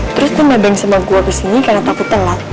terus dia nebang sama gue kesini karena takut telat